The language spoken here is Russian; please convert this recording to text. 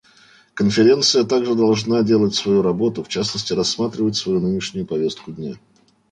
Конференция также должна делать свою работу, в частности рассматривать свою нынешнюю повестку дня.